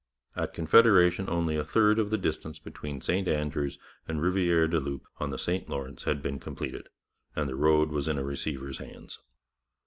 At Confederation only a third of the distance between St Andrews and Rivière du Loup on the St Lawrence had been completed, and the road was in a receiver's hands.